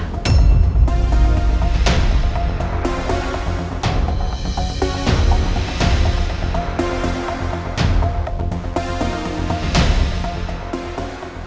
kecelakaan mama retno